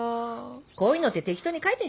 こういうのって適当に書いてんじゃないの？